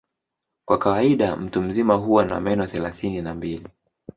Kwa kawaida mtu mzima huwa na meno thelathini na mbili.